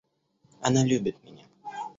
Она любит меня.